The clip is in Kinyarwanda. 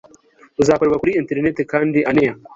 uzakorerwa kuri interineti kandi anengwa